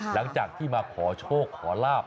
หลังจากที่มาขอโชคขอลาบ